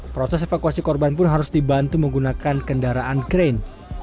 proses evakuasi korban pun harus dibantu menggunakan kendaraan krain